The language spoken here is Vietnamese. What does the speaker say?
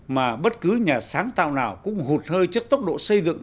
mà bất cứ nhà sáng tạo nào cũng hụt hơi trước tốc độ xây dựng